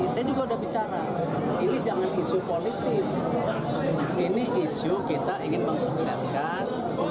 saya juga sudah bicara ini jangan isu politis ini isu kita ingin mengsukseskan u tujuh belas